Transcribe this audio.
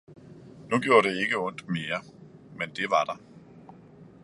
Nu gjorde det ikke ondt mere, men det var der.